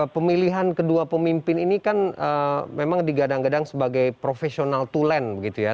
pemilihan kedua pemimpin ini kan memang digadang gadang sebagai profesional to land begitu ya